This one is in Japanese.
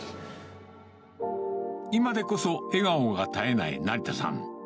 今でこそ笑顔が絶えない成田さん。